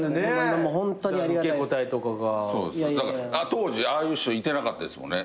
当時ああいう人いてなかったですもんね。